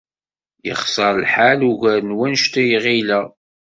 Yexṣer lḥal ugar n wanect ay ɣileɣ.